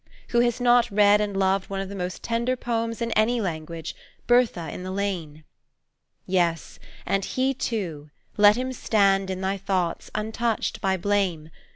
Who has not read and loved one of the most tender poems in any language, Bertha in the Lane? "Yes, and He too! let him stand In thy thoughts, untouched by blame.